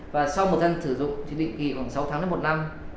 sau một tháng sử dụng định kỳ khoảng sáu tháng đến một năm